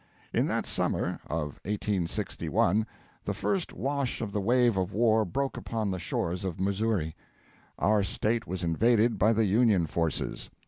In that summer of 1861 the first wash of the wave of war broke upon the shores of Missouri. Our State was invaded by the Union forces.